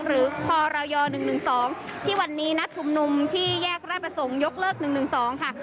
หรือพรย๑๑๒ที่วันนี้นัดชุมนุมที่แยกราชประสงค์ยกเลิก๑๑๒ค่ะ